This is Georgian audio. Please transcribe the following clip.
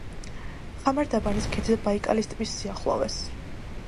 ხამარ-დაბანის ქედზე, ბაიკალის ტბის სიახლოვეს.